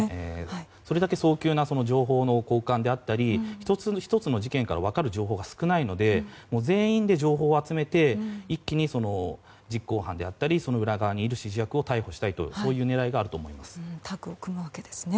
それだけ早急な情報の交換であったり１つ１つの事件で分かることが少ないので一気に実行犯であったりその裏側にいる指示役を逮捕したりという狙いがあると思います。